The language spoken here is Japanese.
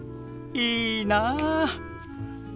いいなあ。